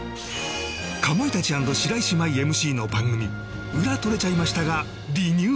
かまいたち＆白石麻衣 ＭＣ の番組『ウラ撮れちゃいました』がリニューアル